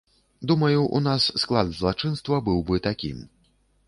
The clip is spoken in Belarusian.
Думаю, у нас склад злачынства быў бы такім.